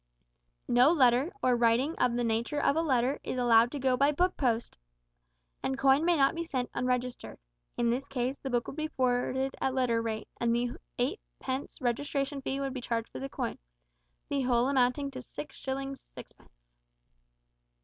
No letter, or writing of the nature of a letter, is allowed to go by book post, and coin may not be sent unregistered. In this case the book would be forwarded at letter rate, and the 8 pence registration fee would be charged for the coin the whole amounting to 6 shillings, 6 pence.